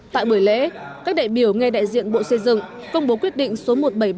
tại buổi lễ các đại biểu ngay đại diện bộ xây dựng công bố quyết định số một nghìn bảy trăm ba mươi bảy